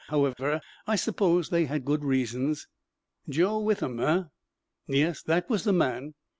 However, I suppose they had good reasons." "Joe Withem, eh?" "Yes, that was the man."